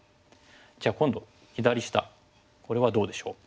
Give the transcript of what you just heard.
じゃあ今度左下これはどうでしょう？